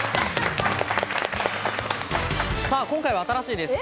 今回は新しいです。